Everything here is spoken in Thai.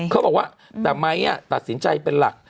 เขาบอกว่าแต่ไม้ตัดสินใจเป็นหลัก